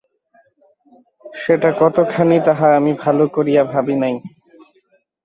সেটা কতখানি তাহা আমি ভালো করিয়া ভাবি নাই।